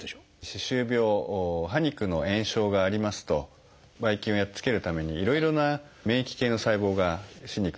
歯周病歯肉の炎症がありますとばい菌をやっつけるためにいろいろな免疫系の細胞が歯肉に来ます。